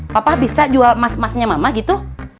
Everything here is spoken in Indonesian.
papa bisa jual emas emasnya mama gitu